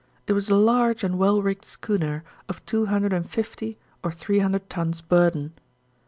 It was a large and well rigged schooner of two hundred and fifty or three hundred tons burden.